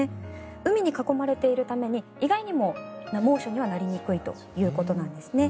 海に囲まれているために意外にも、猛暑にはなりにくいということなんですね。